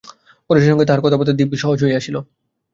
পরেশের সঙ্গে তাহার কথাবার্তা দিব্য সহজ হইয়া আসিল।